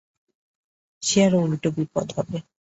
সে আরো উলটো বিপদ হবে।